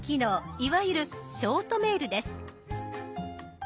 いわゆるショートメールです。